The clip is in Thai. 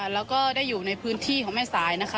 แล้วก็ได้อยู่ในพื้นที่ของแม่สายนะคะ